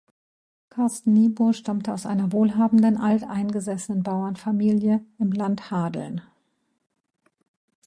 Carsten Niebuhr stammte aus einer wohlhabenden, alteingesessenen Bauernfamilie im Land Hadeln.